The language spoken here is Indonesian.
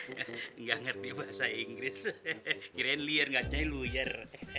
nggak ngerti bahasa inggris kirain liar nggak nyanyi lawyer